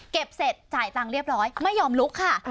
เสร็จจ่ายตังค์เรียบร้อยไม่ยอมลุกค่ะ